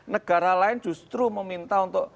negara lain justru meminta untuk